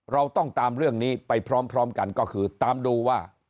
เราต้องตามเรื่องนี้ไปพร้อมกันก็คือตามดูว่า